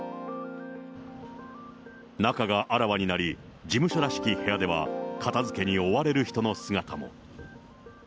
中があらわになり、事務所らしき部屋では片づけに追われる人の姿も。